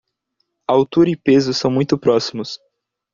Altura e peso são muito próximos